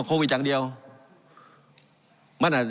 การปรับปรุงทางพื้นฐานสนามบิน